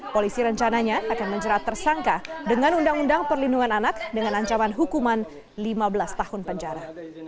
polisi rencananya akan menjerat tersangka dengan undang undang perlindungan anak dengan ancaman hukuman lima belas tahun penjara